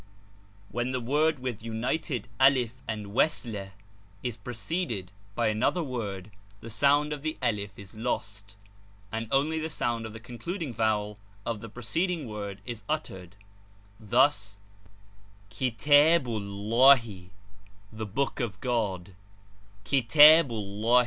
When the word with united alif and waelah is preceded by another word, the sound of the alif is lost, and only the sound of the concluding vowel of the preceding word is uttered, thus, AJ I i_jl_Lf Htpbu llahi, ' the book of God ;' iz~ J I (j.